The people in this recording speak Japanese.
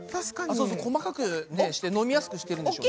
そうそう細かくして飲みやすくしてるんでしょうね。